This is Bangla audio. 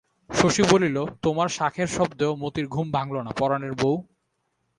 শশী বলিল তোমার শাঁখের শব্দেও মতির ঘুম ভাঙল না পরাণের বৌ?